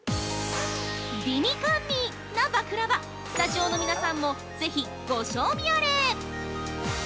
◆美味甘味なバクラヴァスタジオの皆さんもぜひご賞味あれ！